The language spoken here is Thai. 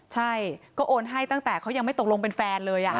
ใช่ก็โอนให้ตั้งแต่เขายังไม่ตกลงเป็นแฟนเลย